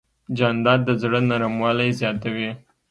جانداد د زړه نرموالی زیاتوي.